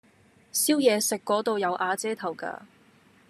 燒嘢食嗰度有瓦遮頭㗎